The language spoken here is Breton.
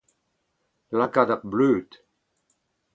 Lakaat ar bleud.